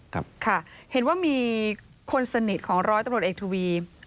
ค่ะเห็นว่ามีคนสนิทของร้อยตลอดเอกทวียิงตัวตาย